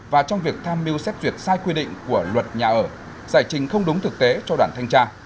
và trong việc tham mưu xét duyệt sai quy định của luật nhà ở giải trình không đúng thực tế cho đoàn thanh tra